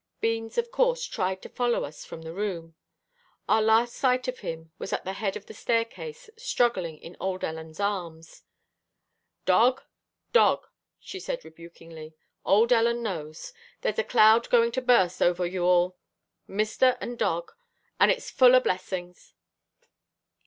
Beans, of course, tried to follow us from the room. Our last sight of him, was at the head of the staircase, struggling in old Ellen's arms. "Dog, dog," she said rebukingly, "old Ellen knows. There's a cloud going to burst over you all. Mister an' dog an' it's full o' blessings."